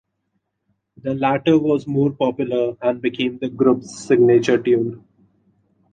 The latter was more popular and became the group's signature tune.